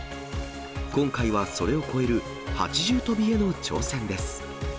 今回はそれを超える８重跳びへの挑戦です。